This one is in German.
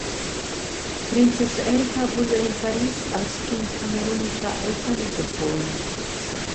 Princess Erika wurde in Paris als Kind kamerunischer Eltern geboren.